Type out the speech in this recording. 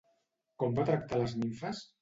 Com va tractar les nimfes?